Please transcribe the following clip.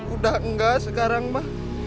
udah enggak sekarang ma